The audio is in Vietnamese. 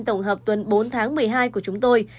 tổng hợp tuần bốn tháng một mươi hai của chúng tôi